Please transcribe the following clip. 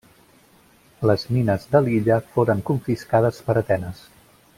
Les mines de l'illa foren confiscades per Atenes.